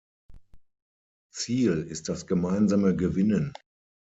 Ziel ist das gemeinsame Gewinnen.